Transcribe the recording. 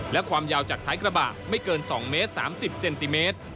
และความยาวจากท้ายกระบะไม่เกิน๒เมตร๓๐เซนติเมตร